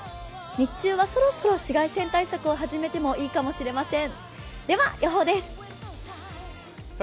日中はそろそろ紫外線対策を始めてもいいかもしれません。